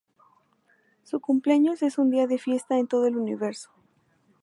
Su cumpleaños es un día de fiesta en todo el universo.